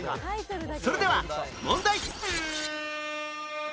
それでは問題！